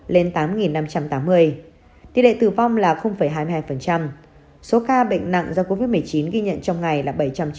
lên tám năm trăm tám mươi tỷ lệ tử vong là hai mươi hai số ca bệnh nặng do covid một mươi chín ghi nhận trong ngày là bảy trăm chín mươi